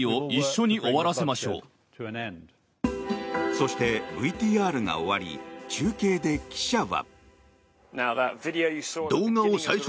そして、ＶＴＲが終わり中継で記者は。